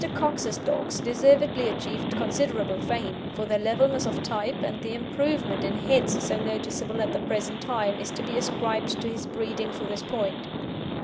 Cox's dogs deservedly achieved considerable fame for their levelness of type, and the improvement in heads so noticeable at the present time is to be ascribed to his breeding for this point.